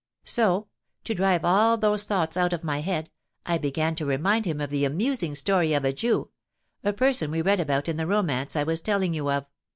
So, to drive all those thoughts out of my head, I began to remind him of the amusing story of a Jew, a person we read about in the romance I was telling you of.